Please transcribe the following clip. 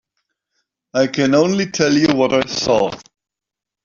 I can only tell you what I saw.